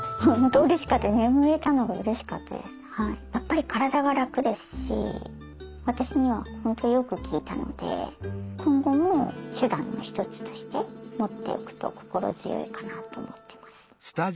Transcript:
やっぱり体が楽ですし私には本当よく効いたので今後も手段の一つとして持っておくと心強いかなと思ってます。